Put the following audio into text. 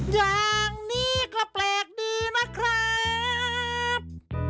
อย่างนี้ก็แปลกดีนะครับ